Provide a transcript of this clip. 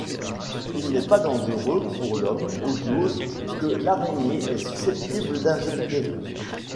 Il n'est pas dangereux pour l'homme aux doses que l'araignée est susceptible d'injecter.